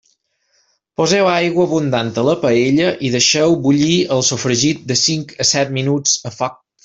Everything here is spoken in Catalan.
Poseu aigua abundant a la paella i deixeu bullir el sofregit de cinc a set minuts a foc fort.